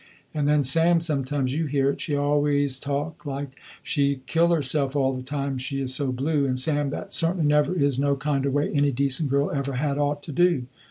And then Sam, sometimes, you hear it, she always talk like she kill herself all the time she is so blue, and Sam that certainly never is no kind of way any decent girl ever had ought to do.